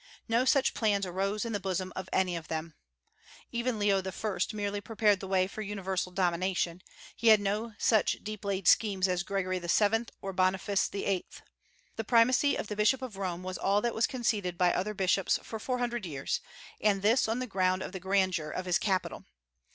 No such plans arose in the bosom of any of them. Even Leo I. merely prepared the way for universal domination; he had no such deep laid schemes as Gregory VII. or Boniface VIII. The primacy of the Bishop of Rome was all that was conceded by other bishops for four hundred years, and this on the ground of the grandeur of his capital.